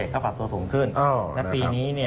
๐๗ก็ปรับโตสูงขึ้น